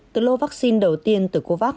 từ lô vaccine đầu tiên từ covax